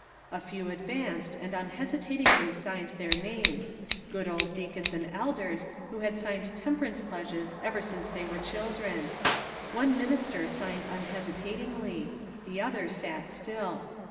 A few advanced, and un hesitatingly signed their names — good old deacons and elders, who had signed temper ance pledges ever since they were children. One minister signed unhesitatingly ; the other sat still.